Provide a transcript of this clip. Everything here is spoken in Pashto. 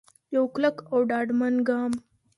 یو کلک او ډاډمن ګام.